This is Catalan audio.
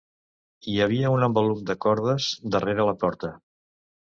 Hi havia un embalum de cordes darrere la porta.